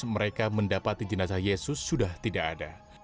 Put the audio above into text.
mereka mendapati jenazah yesus sudah tidak ada